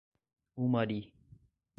Umari